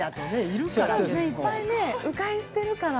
いっぱいう回してるから。